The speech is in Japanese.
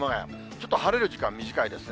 ちょっと晴れる時間短いですね。